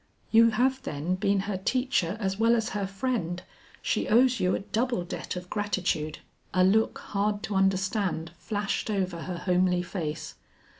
"You have then been her teacher as well as her friend, she owes you a double debt of gratitude." A look hard to understand flashed over her homely face.